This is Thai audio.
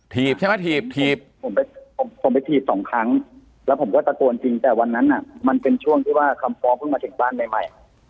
ใช่ไหมถีบผมไปถีบสองครั้งแล้วผมก็ตะโกนจริงแต่วันนั้นมันเป็นช่วงที่ว่าคำฟ้องเพิ่งมาถึงบ้านใหม่